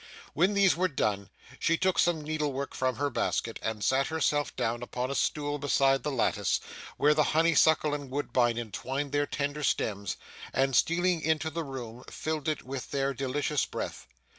When these were done, she took some needle work from her basket, and sat herself down upon a stool beside the lattice, where the honeysuckle and woodbine entwined their tender stems, and stealing into the room filled it with their delicious breath.